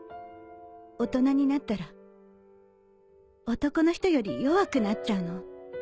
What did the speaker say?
大人になったら男の人より弱くなっちゃうの